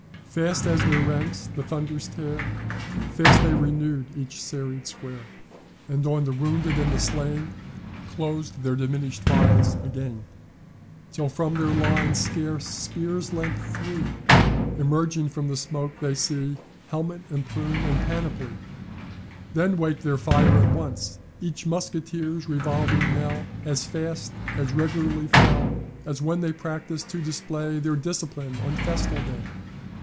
Fast as their ranks the thunders tear, Fast they renew'd each serried square; And on the wounded and the slain Closed their diminish'd files again, Till from their line scarce spears' lengths three, Emerging from the smoke they see Helmet, and plume, and panoply, Then waked their fire at once! Each musketeer's revolving knell, As fast, as regularly fell, As when they practise to display Their discipline on festal day.